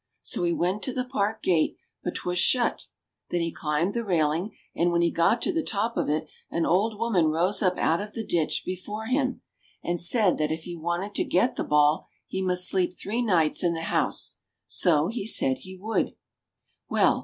So he went to the park gate, but 'twas shut ; then he climbed the railing, and when he got to the top of it an old woman rose up out of the ditch before him and said that if he wanted to get the ball he must sleep three nights in the house : so he said he would. Well